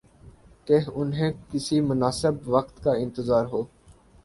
کہ انہیں کسی مناسب وقت کا انتظار ہو۔